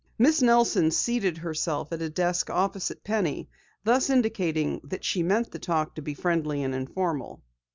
Miss Nelson seated herself at a desk opposite Penny, thus indicating that she meant the talk to be friendly and informal.